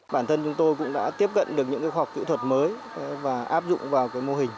bản thân chúng tôi cũng đã tiếp cận được những khoa học kỹ thuật mới và áp dụng vào mô hình